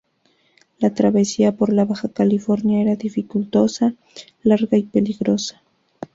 La travesía por la Baja California era dificultosa, larga y peligrosa.